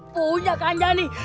punya kak anjani